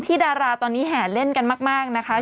ดาราตอนนี้แห่เล่นกันมากนะคะ